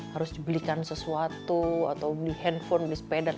harus dibelikan sesuatu atau beli handphone beli sepeda